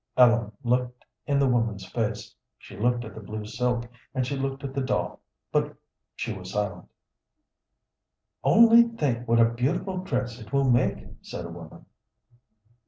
Ellen looked in the woman's face, she looked at the blue silk, and she looked at the doll, but she was silent. "Only think what a beautiful dress it will make!" said a woman.